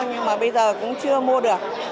nhưng mà bây giờ cũng chưa mua được